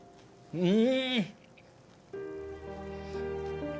うん。